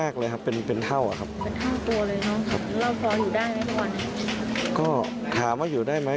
ก็ถามว่าอยู่ได้ไหม